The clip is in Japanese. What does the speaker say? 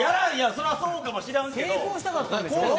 そりゃそうかもしらんけど。